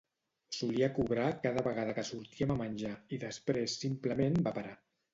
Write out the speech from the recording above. Solia cobrar cada vegada que sortíem a menjar, i després simplement va parar.